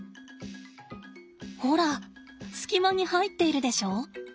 ほら隙間に入っているでしょ？